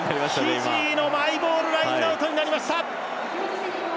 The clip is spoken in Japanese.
フィジーのマイボールラインアウトになりました。